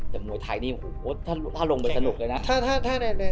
แต่มวยไทยนี่ถ้าลงเป็นสนุกเลยนะ